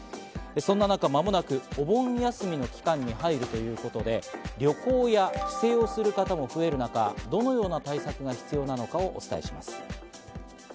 そんな中、まもなくお盆休みの期間に入るということで、旅行や帰省をする方も増える中、どのような対策が必要なのかをお伝えします。